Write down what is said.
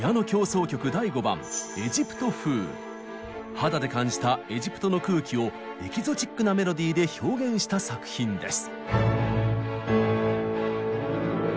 肌で感じたエジプトの空気をエキゾチックなメロディーで表現した作品です。